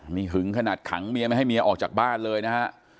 นี่หึงขนาดขังเมียไม่ให้เมียออกจากบ้านเลยนะฮะ